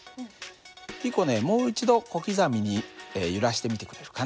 リコねもう一度小刻みに揺らしてみてくれるかな。